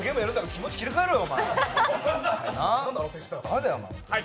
気持ち切り替えろよ！